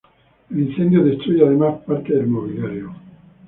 El incendio destruye además parte del mobiliario.